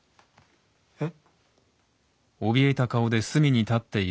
えっ？